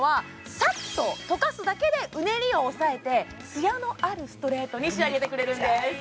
サッととかすだけでうねりを抑えてツヤのあるストレートに仕上げてくれるんです